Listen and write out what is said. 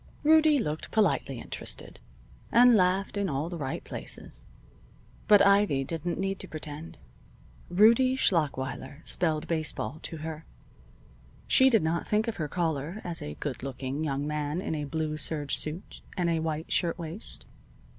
Rudie looked politely interested, and laughed in all the right places. But Ivy didn't need to pretend. Rudie Schlachweiler spelled baseball to her. She did not think of her caller as a good looking young man in a blue serge suit and a white shirtwaist.